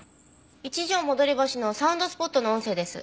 一条戻橋のサウンドスポットの音声です。